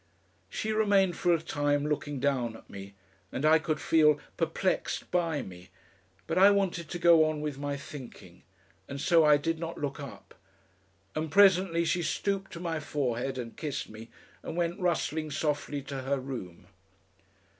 She remained for a time looking down at me and, I could feel, perplexed by me, but I wanted to go on with my thinking, and so I did not look up, and presently she stooped to my forehead and kissed me and went rustling softly to her room.